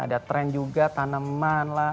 ada tren juga tanaman lah